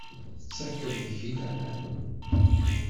Tettakeḍ deg-i laman?